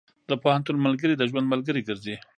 د پوهنتون ملګري د ژوند ملګري ګرځي.